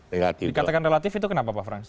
dikatakan relatif itu kenapa pak frans